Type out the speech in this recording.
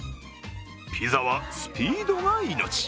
ピザはスピードが命。